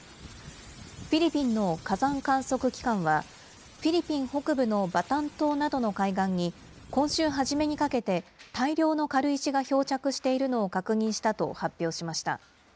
フィリピンの火山観測機関は、フィリピン北部のバタン島などの海岸に、今週初めにかけて、大量の軽石が漂着しているのを確認したと発表しました。